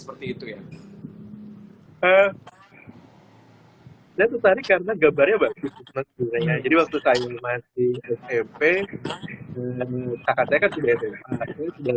seperti itu ya eh saya tertarik karena gambarnya bagus sebenarnya jadi waktu saya ilmu sains smp